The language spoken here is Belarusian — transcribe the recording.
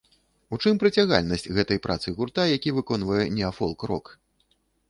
У чым прыцягальнасць гэтай працы гурта, які выконвае неафолк-рок?